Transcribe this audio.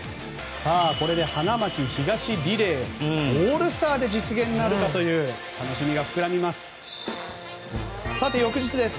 これで花巻東リレーオールスターで実現なるかという楽しみが膨らみます。